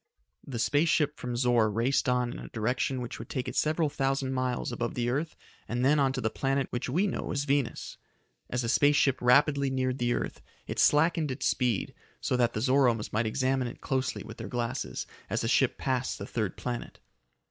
The space ship from Zor raced on in a direction which would take it several thousand miles above the earth and then on to the planet which we know as Venus. As the space ship rapidly neared the earth, it slackened its speed, so that the Zoromes might examine it closely with their glasses as the ship passed the third planet.